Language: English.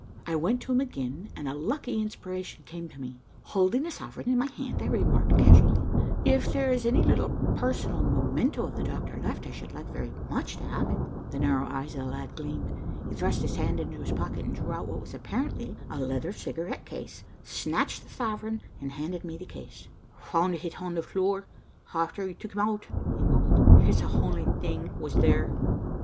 I went to him again, and a lucky inspiration came to me. Holding a sovereign in my hand I remarked casually, 'If there is any little personal memento of the doctor left, I should like very much to have it.' The narrow eyes of the lad gleamed. He thrust his hand into his pocket, and drew out what was apparently a leather cigarette case, snatched the sovereign, and handed me the case. 'Found h'it h'on the floor, h'after we took 'im h'out,' he mumbled. 'H'it's the h'only think was there.